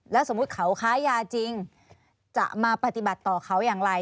แล้วสมมุติเขาค้ายาจริงจะมาปฏิบัติต่อเขาอย่างไร